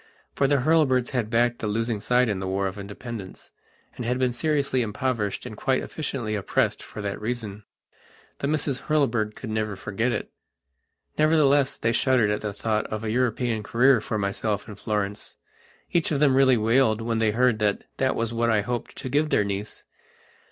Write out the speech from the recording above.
For the Hurlbirds had backed the losing side in the War of Independence, and had been seriously impoverished and quite efficiently oppressed for that reason. The Misses Hurlbird could never forget it. Nevertheless they shuddered at the thought of a European career for myself and Florence. Each of them really wailed when they heard that that was what I hoped to give their niece.